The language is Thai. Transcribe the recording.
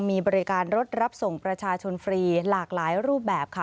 มีบริการรถรับส่งประชาชนฟรีหลากหลายรูปแบบค่ะ